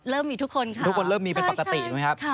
เริ่มมีทุกคนค่ะทุกคนเริ่มมีเป็นปรับตะตีนะครับ